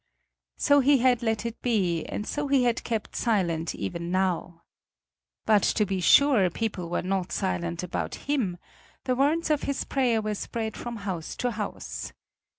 So he had let it be, and so he had kept silent even now. But, to be sure, people were not silent about him; the words of his prayer were spread from house to house.